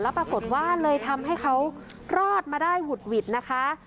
ปรากฏว่าเลยทำให้เขารอดมาได้หุดหวิดนะคะ